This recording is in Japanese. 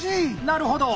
なるほど！